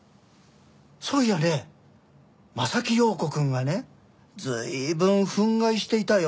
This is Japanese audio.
そういやね柾庸子くんがね随分憤慨していたよ。